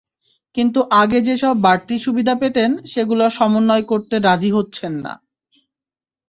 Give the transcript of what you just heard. কিন্তু আগে যেসব বাড়তি সুবিধা পেতেন, সেগুলো সমন্বয় করতে রাজি হচ্ছেন না।